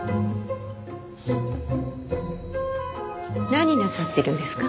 何なさってるんですか？